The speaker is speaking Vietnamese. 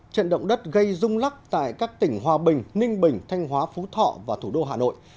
trận động đất gây rung lắc tại các tỉnh hòa bình ninh bình thanh hóa phú thọ và thủ đô hà nội